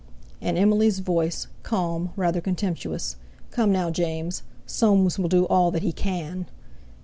And Emily's voice, calm, rather contemptuous: "Come, now, James! Soames will do all that he can."